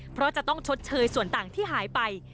เพราะจะต้องชดเชยส่วนต่างที่หายไป